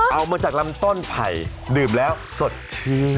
เอามาจากลำต้นไผ่ดื่มแล้วสดชื่น